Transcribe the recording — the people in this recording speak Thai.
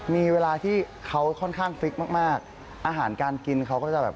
มีเวลาที่เขาค่อนข้างฟิกมากมากอาหารการกินเขาก็จะแบบ